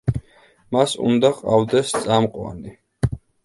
მას უნდა ჰყავდეს წამყვანი.